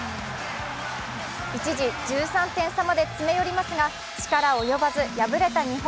一時、１３点差まで詰め寄りますが力及ばず敗れた日本。